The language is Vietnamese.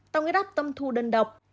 tăng nguyết áp tâm thu đơn độc